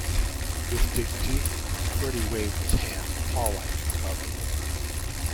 With dignity Freddie waved his hand paw-like about the room.